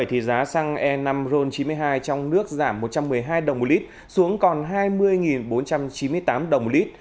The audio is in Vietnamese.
thì giá xăng e năm ron chín mươi hai trong nước giảm một trăm một mươi hai đồng một lít xuống còn hai mươi bốn trăm chín mươi tám đồng một lít